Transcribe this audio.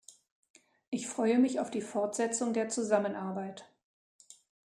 Ich freue mich auf die Fortsetzung der Zusammenarbeit.